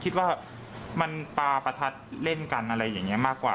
คิดว่ามันปลาประทัดเล่นกันอะไรอย่างนี้มากกว่า